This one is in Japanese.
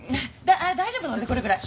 大丈夫なんでこれぐらい。